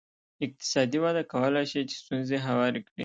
اقتصادي وده کولای شي چې ستونزې هوارې کړي.